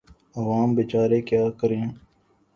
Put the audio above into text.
عوام بیچارے کیا کریں۔